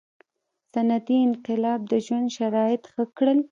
• صنعتي انقلاب د ژوند شرایط ښه کړل.